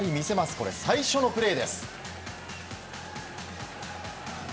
これ、最初のプレーです。